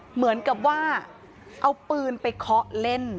เหมือนกับว่าเอาปืนไปเคาะเล่น